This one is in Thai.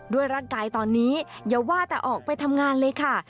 ด้วยร่างกายตอนนี้อย่าว่าแต่ออกไปทำงานเลยค่ะ